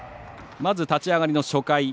まずは立ち上がりの初回。